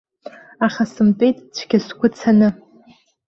Аха сымтәеит цәгьа сгәы цаны.